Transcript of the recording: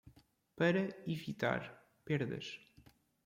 Para evitar perdas